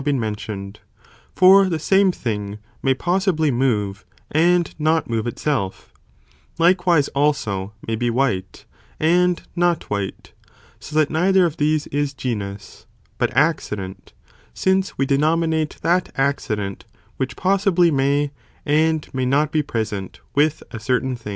Σὰ been mentioned, for the same thing may possibly move, and not move itself, likewise also may be white, and not white, so that neither of these is genus, but accident, since we denominate that accident, which possibly may, and may not be present, with a certain thing.